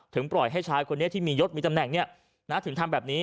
ปล่อยให้ชายคนนี้ที่มียศมีตำแหน่งถึงทำแบบนี้